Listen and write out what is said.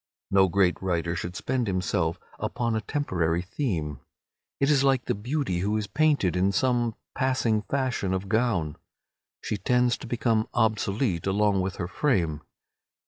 No great writer should spend himself upon a temporary theme. It is like the beauty who is painted in some passing fashion of gown. She tends to become obsolete along with her frame.